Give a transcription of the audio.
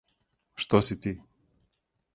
Што си ти?